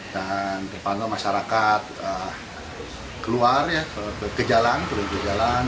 dan terpandang masyarakat keluar ya ke jalan ke jalan